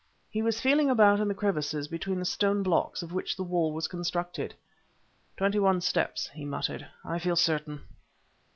He was feeling about in the crevices between the stone blocks of which the wall was constructed. "Twenty one steps," he muttered; "I feel certain."